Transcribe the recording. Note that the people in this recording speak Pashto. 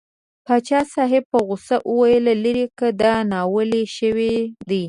پاچا صاحب په غوسه وویل لېرې که دا ناولی شی دی.